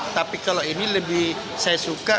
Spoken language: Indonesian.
tapi kalau ini lebih saya suka